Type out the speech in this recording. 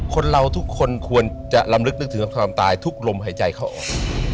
คนเราทุกคนควรจะลำลึกนึกถึงความตายทุกลมหายใจเข้าออก